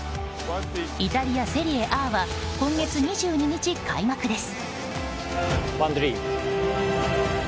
イタリア・セリエＡは今月２２日開幕です。